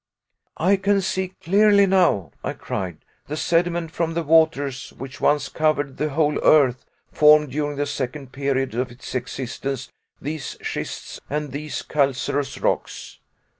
"I can see clearly now," I cried; "the sediment from the waters which once covered the whole earth formed during the second period of its existence these schists and these calcareous rocks.